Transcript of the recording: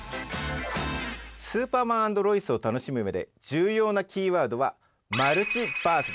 「スーパーマン＆ロイス」を楽しむ上で重要なキーワードはマルチバースです。